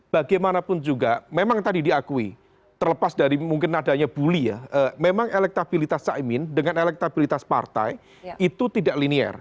bagaimanapun juga memang tadi diakui terlepas dari mungkin nadanya bully ya memang elektabilitas caimin dengan elektabilitas partai itu tidak linear